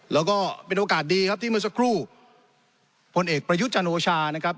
แล้วก็เป็นโอกาสดีครับที่เมื่อสักครู่ผลเอกประยุทธ์จันโอชานะครับ